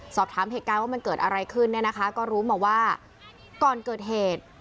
สอบถามเหตุการณ์ว่ามันเกิดอะไรขึ้นเนี่ยนะคะก็รู้มาว่าก่อนเกิดเหตุ